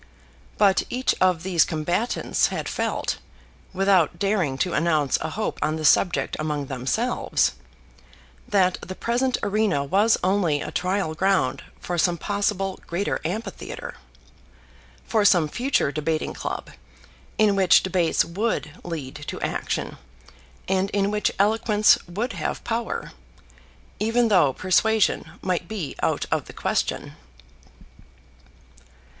But each of these combatants had felt, without daring to announce a hope on the subject among themselves, that the present arena was only a trial ground for some possible greater amphitheatre, for some future debating club in which debates would lead to action, and in which eloquence would have power, even though persuasion might be out of the question.